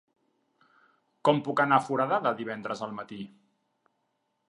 Com puc anar a Foradada divendres al matí?